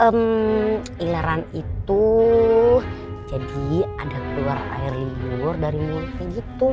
ehm ileran itu jadi ada keluar air liur dari muaknya gitu